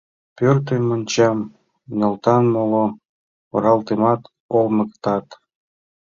Пӧртым, мончам нӧлтат, моло оралтымат олмыктат.